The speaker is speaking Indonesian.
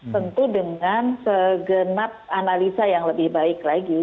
tentu dengan segenap analisa yang lebih baik lagi